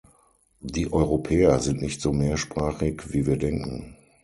Die Europäer sind nicht so mehrsprachig wie wir denken.